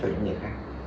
với những người khác